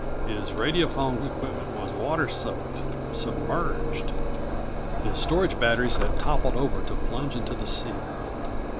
His radiophone equipment was water soaked, submerged. His storage batteries had toppled over to plunge into the sea.